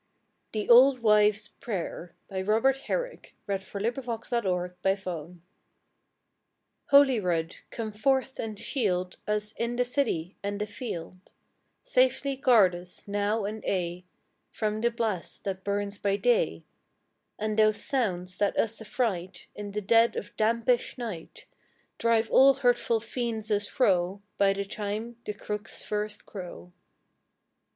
nce or twice, And for the bride cake there'll be spice. 30. THE OLD WIVES' PRAYER Holy Rood, come forth and shield Us i' th' city and the field; Safely guard us, now and aye, From the blast that burns by day; And those sounds that us affright In the dead of dampish night; Drive all hurtful fiends us fro, By the time the cocks first crow.